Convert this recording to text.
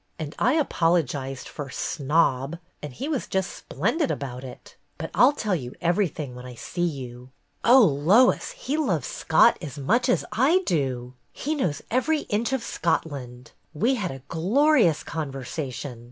And I apologized for 'snob,' and he was just splendid about it. But I'll tell you everything when I see you. "Oh, Lois, he loves Scott as much as I do. He knows every inch of Scotland ! We had a glorious conversation.